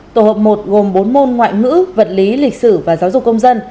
tổ hợp một gồm bốn môn ngoại ngữ vật lý lịch sử và giáo dục công dân